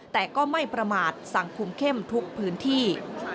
แต่ก็ไม่ประมาทสั่งคุมเข้มทุกพื้นที่